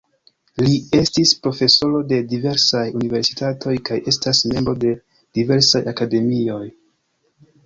Li estis profesoro de diversaj universitatoj kaj estas membro de diversaj akademioj.